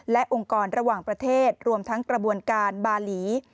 และองค์กรระหว่างประเทศรวมทั้งกระบวนการบาหลี